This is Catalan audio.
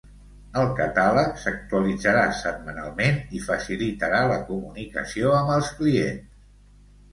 El catàleg s'actualitzarà setmanalment i facilitarà la comunicació amb els clients.